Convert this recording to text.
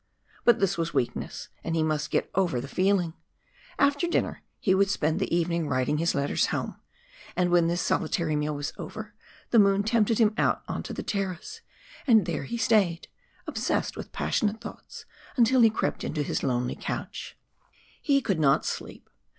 But this was weakness, and he must get over the feeling. After dinner he would spend the evening writing his letters home. But when this solitary meal was over, the moon tempted him out on to the terrace, and there he stayed obsessed with passionate thoughts until he crept in to his lonely couch. He could not sleep.